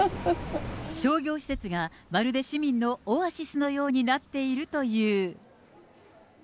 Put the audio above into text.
商業施設がまるで市民のオアシスのようになっているという。